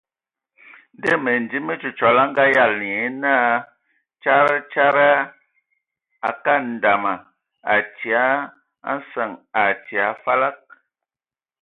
Ndɔ Məndim me Ntsotsɔli a ngayalan nye naa : Tsaarr...ra : Akaŋ dama a tii a nsəŋ, a tii a falag !